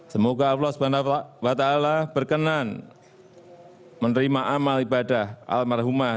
semoga allah swt berkenan menerima amal ibadah almarhumah